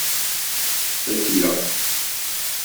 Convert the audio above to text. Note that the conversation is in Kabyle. Qeyyleɣ.